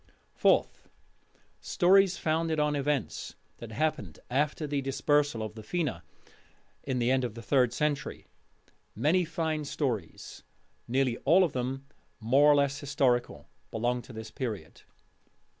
Fourth: Stories founded on events that happened after the dispersal of the Fena (in the end of the third century). Many fine stories nearly all of them more or less historical belong to this Period.